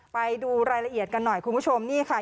ไปดูรายละเอียดกันหน่อยคุณผู้ชมนี่ค่ะ